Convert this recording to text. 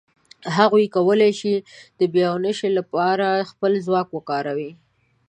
هغوی کولای شي د بیاوېشنې لهپاره خپل ځواک وکاروي.